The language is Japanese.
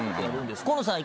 河野さん